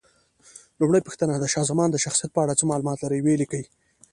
لومړۍ پوښتنه: د شاه زمان د شخصیت په اړه څه معلومات لرئ؟ ویې لیکئ.